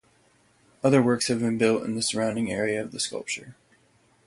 Other works have been built in the surrounding area of the sculpture.